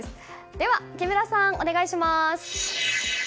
では木村さん、お願いします。